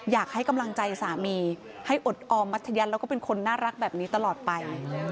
อยากให้กำลังใจสามีให้อดออมมัธยันแล้วก็เป็นคนน่ารักแบบนี้ตลอดไป